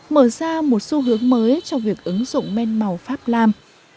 mở ra một xu hướng mới cho việc ứng dụng men màu pháp lam